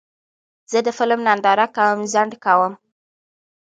زه د فلم نندارې لپاره ځنډ کوم.